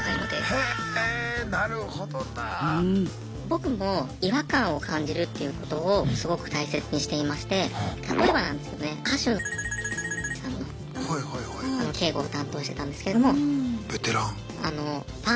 僕も違和感を感じるっていうことをすごく大切にしていまして例えばなんですけどね歌手のさんの警護を担当してたんですけども。ベテラン。